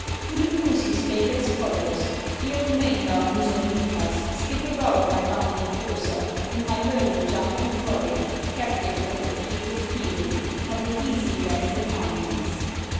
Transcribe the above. To the moose he spake as follows: "Here remain, thou moose of Juutas Skip about, my bounding courser, In my hurdle jump and frolic, Captive from the fields of Piru, From the Hisi glens and mountains."